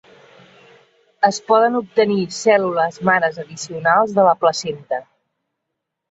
Es poden obtenir cèl·lules mare addicionals de la placenta.